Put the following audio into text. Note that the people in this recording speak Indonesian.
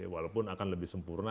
walaupun akan lebih sempurna